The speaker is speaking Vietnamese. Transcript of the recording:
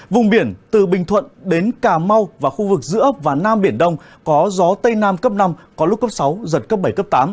vùng biển từ bình thuận đến cà mau và khu vực giữa và nam biển đông có gió tây nam cấp năm có lúc cấp sáu giật cấp bảy cấp tám